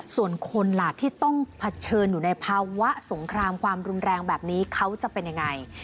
ส่วนคนล่ะที่ต้องเผชิญอยู่ในภาวะสงครามความรุนแรงแบบนี้เขาจะเป็นยังไง